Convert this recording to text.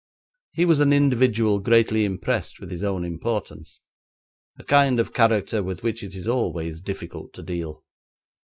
He was an individual greatly impressed with his own importance; a kind of character with which it is always difficult to deal.